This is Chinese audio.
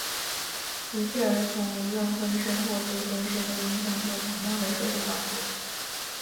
一切儿童,无论婚生或非婚生,都应享受同样的社会保护。